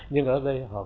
nhưng ở đây họ không